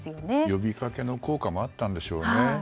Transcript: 呼びかけの効果もあったんでしょうね。